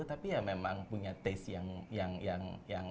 tapi ya memang punya taste yang